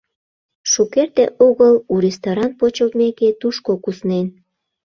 Шукерте огыл, у ресторан почылтмеке, тушко куснен.